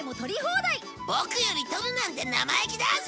ボクより取るなんて生意気だぞ！